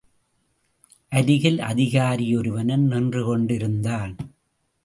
அருகில் அதிகாரி ஒருவனும் நின்றுகொண்டிருந்தான்.